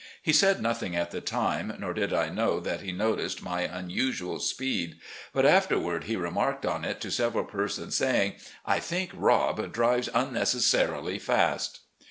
He said nothing at the time, nor did I know that he noticed my tmusual speed. But after ward he remarked on it to several persons, saying: " I think Rob drives unnecessarily fast."